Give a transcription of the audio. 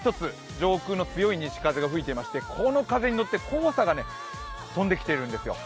上空の強い西風が吹いていまして、この風に乗って黄砂が飛んできているんですよ。